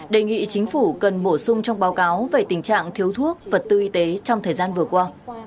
đề nghị chính phủ cần bổ sung trong báo cáo về tình trạng thiếu thuốc vật tư y tế trong thời gian vừa qua